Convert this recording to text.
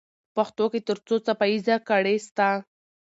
په پښتو کې تر څو څپه ایزه ګړې سته؟